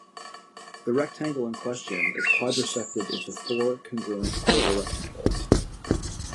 The rectangle in question is quadrisected into four, congruent quarter rectangles.